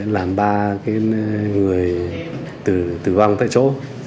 làm ba người tử vong tại chỗ